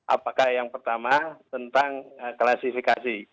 apakah yang pertama tentang klasifikasi